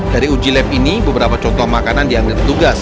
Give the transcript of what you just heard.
dari uji lab ini beberapa contoh makanan diambil petugas